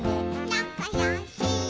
「なかよしね」